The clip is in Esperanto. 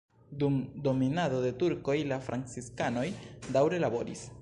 Dum dominado de turkoj la franciskanoj daŭre laboris.